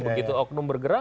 begitu oknum bergerak